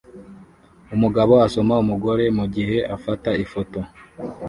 Umugabo asoma umugore mugihe afata ifoto